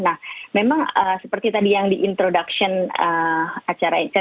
nah memang seperti tadi yang di introduction acara ini